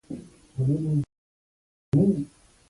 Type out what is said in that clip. نننۍ نړۍ کې د جنایت له امله مرګونه یو عشاریه پینځه سلنه دي.